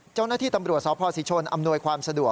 เจ้าหน้าที่ตำรวจสพศรีชนอำนวยความสะดวก